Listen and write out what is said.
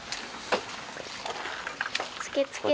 ・つけつけ！